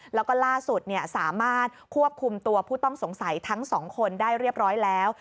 แล้วก็ล่าสุดสามารถควบคุมตัวผู้ต้องสงสัยทั้งสองคนได้เรียบร้อยแล้ว